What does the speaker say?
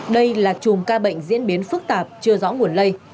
đây là chùm ca bệnh diễn biến phức tạp chưa rõ nguồn lây